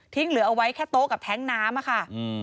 เหลือเอาไว้แค่โต๊ะกับแท้งน้ำค่ะ